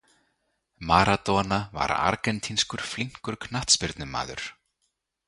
Maradona var argentínskur flínkur knattspyrnumaður.